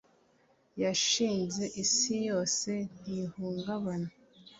yashinze isi yose, ntihungabana